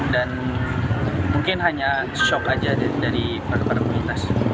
dan mungkin hanya syok saja dari perpermintas